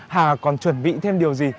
hà còn chuẩn bị thêm điều gì